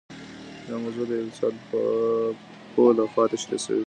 دا موضوع د يوه اقتصاد پوه لخوا تشرېح سوې ده.